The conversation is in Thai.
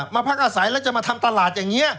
พักอาศัยแล้วจะมาทำตลาดอย่างนี้